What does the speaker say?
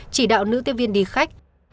chỉ đạo nữ tiếp viên đi khách